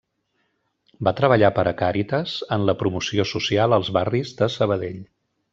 Va treballar per a Càritas en la promoció social als barris de Sabadell.